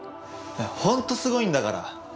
ホントすごいんだから！